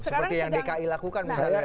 seperti yang dki lakukan